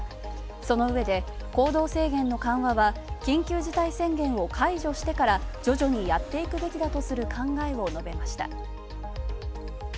そのうえで、行動制限の緩和は緊急事態宣言を解除してから徐々にやっていくべきだという考えを述べました。